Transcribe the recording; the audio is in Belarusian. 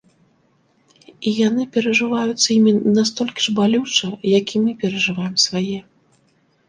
І яны перажываюцца імі настолькі ж балюча, як і мы перажываем свае.